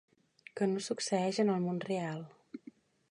Que no succeeix en el món real.